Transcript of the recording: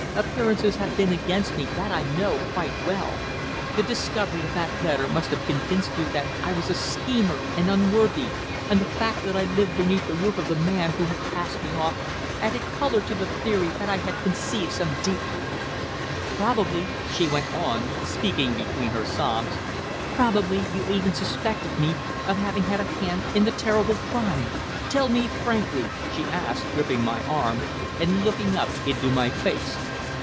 Appearances have been against me, that I know quite well. The discovery of that letter must have convinced you that I was a schemer and unworthy, and the fact that I lived beneath the roof of the man who had cast me off added colour to the theory that I had conceived some deep plot. Probably," she went on, speaking between her sobs, "probably you even suspected me of having had a hand in the terrible crime. Tell me frankly," she asked, gripping my arm, and looking up into my face.